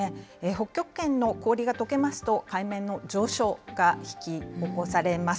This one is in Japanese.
北極圏の氷がとけますと、海面の上昇が引き起こされます。